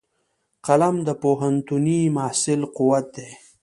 قلم د پوهنتوني محصل قوت دی